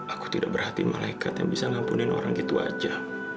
aku tidak berhati malaikat yang bisa ngampunin orang gitu aja